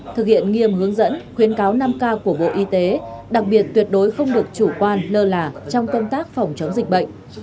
thực hiện nghiêm hướng dẫn khuyến cáo năm k của bộ y tế đặc biệt tuyệt đối không được chủ quan lơ là trong công tác phòng chống dịch bệnh